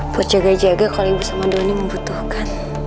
buat jaga jaga kalau ibu sama doni membutuhkan